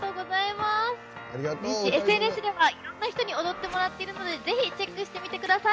ＳＮＳではいろんな人に踊ってもらっているのでぜひチェックしてみてください。